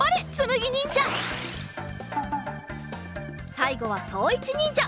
さいごはそういちにんじゃ。